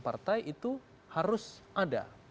partai itu harus ada